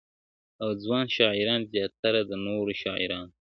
او ځوان شاعران زیاتره د نورو شاعرانو -